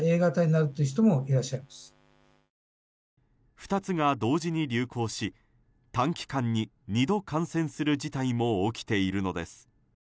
２つが同時に流行し短期間に２度感染する事態も起きているのです。